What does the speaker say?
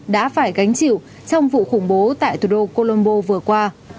đã phải gánh chịu trong vụ khủng bố tại thủ đô colombo vừa qua